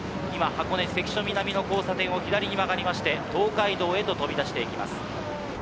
今、箱根関所南の交差点を左に曲がりまして、東海道へと飛び出していきます。